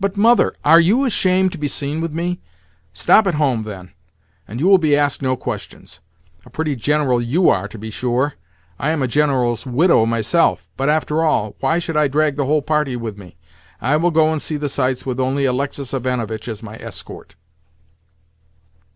"But, mother—" "Are you ashamed to be seen with me? Stop at home, then, and you will be asked no questions. A pretty General you are, to be sure! I am a general's widow myself. But, after all, why should I drag the whole party with me? I will go and see the sights with only Alexis Ivanovitch as my escort."